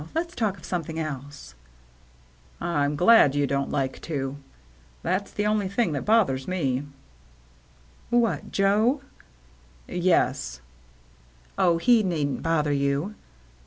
Let's talk of something else." "I'm glad you don't like to. That's the only thing that bothers me." THE RED SEAL LABEL 157 "What — Joe?" "Yes." " Oh, he needn't bother you."